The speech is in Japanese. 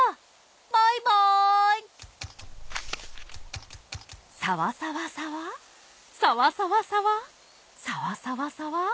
バイバーイサワサワサワサワサワサワサワサワサワ。